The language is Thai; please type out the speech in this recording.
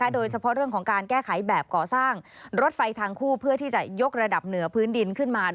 โดยเฉพาะเรื่องของการแก้ไขแบบก่อสร้างรถไฟทางคู่เพื่อที่จะยกระดับเหนือพื้นดินขึ้นมา